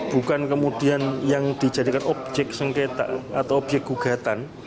bukan kemudian yang dijadikan objek sengketa atau obyek gugatan